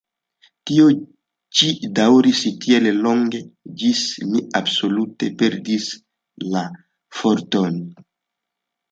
Tio ĉi daŭris tiel longe, ĝis mi absolute perdis la fortojn.